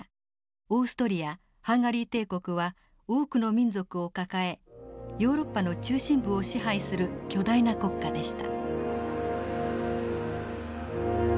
オーストリア＝ハンガリー帝国は多くの民族を抱えヨーロッパの中心部を支配する巨大な国家でした。